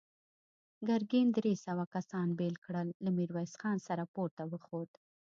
ګرګين درې سوه کسان بېل کړل، له ميرويس خان سره پورته وخوت.